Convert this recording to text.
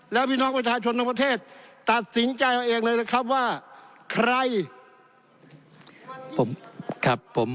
แล้วพี่น้องประชาชนทั้งประเทศตัดสินใจเองเลยนะครับว่าใคร